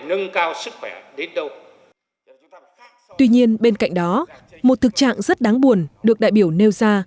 nâng cao sức khỏe đến đâu tuy nhiên bên cạnh đó một thực trạng rất đáng buồn được đại biểu nêu ra